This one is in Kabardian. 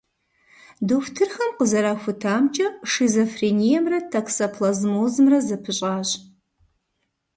Дохутырхэм къызэрахутамкӏэ, шизофрениемрэ токсоплазмозымрэ зэпыщӏащ.